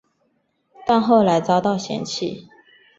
但是后来遭到废弃。